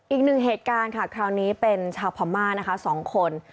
อีกหนึ่งเหตุการณ์ค่ะคราวนี้เป็นชาวพม่านะคะ๒คน